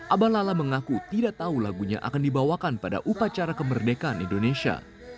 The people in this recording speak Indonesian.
abah lala mengaku tidak tahu lagunya akan dibawakan pada upacara kemerdekaan indonesia